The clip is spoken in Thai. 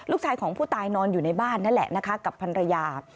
ลูกชายของผู้ตายนอนอยู่ในบ้านนั่นแหละนะคะกับพันรยา